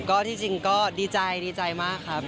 ก็ที่จริงก็ดีใจมากครับ